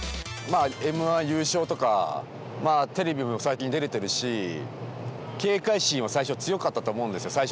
まあＭ−１優勝とかまあテレビも最近出れてるし警戒心は最初強かったと思うんですよ